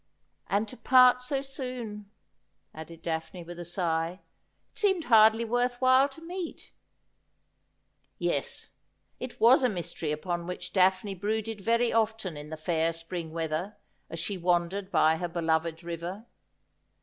And to ' Thou Lovest Me, that wot I wel certain.' 53 part so soon !' added Daphne with a sigh. ' It seemed hardly worth while to meet.' Yes; it was a mystery upon which Daphne brooded very often in the fair spring weather, as she wandered by her beloved river.